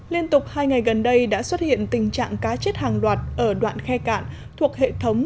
liên tục hai ngày gần đây đã xuất hiện tình trạng cá chết hàng loạt ở đoạn khe cạn thuộc hệ thống